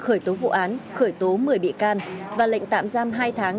khởi tố vụ án khởi tố một mươi bị can và lệnh tạm giam hai tháng